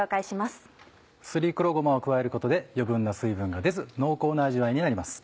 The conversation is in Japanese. すり黒ごまを加えることで余分な水分が出ず濃厚な味わいになります。